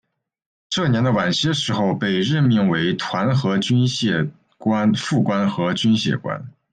这年的晚些时候被任命为团和军械官副官和军械官。